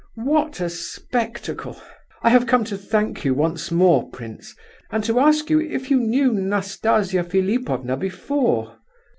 What a spectacle! I have come to thank you once more, prince, and to ask you if you knew Nastasia Philipovna before?"